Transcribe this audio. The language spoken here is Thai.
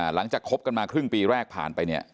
หลังจากครบกันมาครึ่งปีแรกผ่านไปเนี่ย